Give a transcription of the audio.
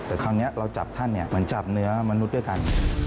แต่คราวนี้เราจับท่านเนี่ยเหมือนจับเนื้อมนุษย์ด้วยกัน